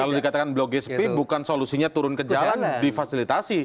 kalau dikatakan blok g sp bukan solusinya turun ke jalan difasilitasi